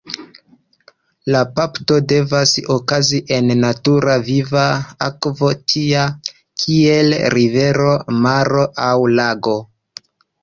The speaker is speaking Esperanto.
La bapto devas okazi en natura viva akvo tia, kiel rivero, maro, aŭ lago.